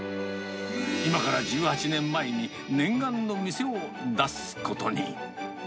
今から１８年前に念願の店を出すことに。